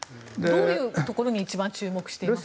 どういうところに一番注目していますか？